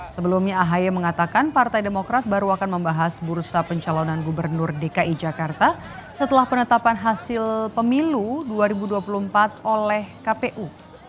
sebelumnya ahy mengatakan partai demokrat baru akan membahas bursa pencalonan gubernur dki jakarta setelah penetapan hasil pemilu dua ribu dua puluh empat oleh kpu